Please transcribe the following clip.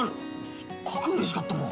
すっごくうれしかったもん！